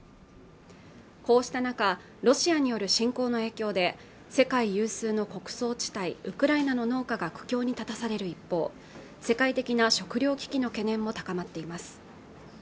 こうした中ロシアによる侵攻の影響で世界有数の穀倉地帯ウクライナの農家が苦境に立たされる一方世界的な食糧危機の懸念も高まっています